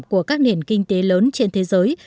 của các nền kinh tế lớn trên thế giới